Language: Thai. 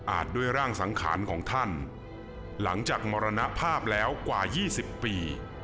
ด้วยร่างสังขารของท่านหลังจากมรณภาพแล้วกว่า๒๐ปี